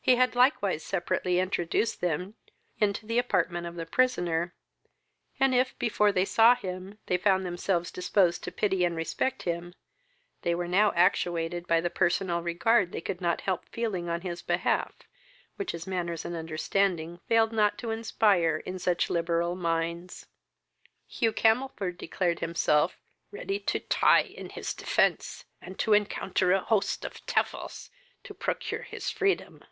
He had likewise separately introduced them into the apartment of the prisoner, and if, before they saw him, they found themselves disposed to pity and respect him, they were now actuated by the personal regard they could not help feeling in his behalf, which his manners and understanding failed not to inspire in such liberal minds. Hugh Camelford declared himself ready to tie in his defence, and to encounter a host of tevils to procure his freedom.